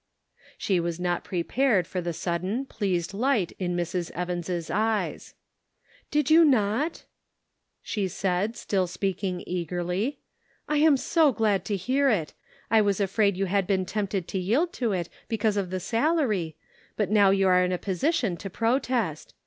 She was not prepared for the sudden, pleased light in Mrs. Evans' eyes. " Did you not ?" she said, still speaking 438 The Pocket Measure. eagerly ;" I am so glad to hear it ; I was afraid you had been tempted to yield to it because of the salary, but now you are in a position to protest.